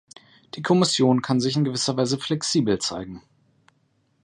Die Kommission kann sich in gewisser Weise flexibel zeigen.